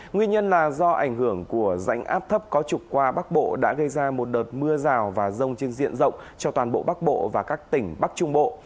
nguyên nhân là do ảnh hưởng của rãnh áp thấp có trục qua bắc bộ đã gây ra một đợt mưa rào và rông trên diện rộng cho toàn bộ bắc bộ và các tỉnh bắc trung bộ